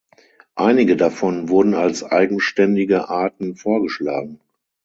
Einige davon wurden als eigenständige Arten vorgeschlagen.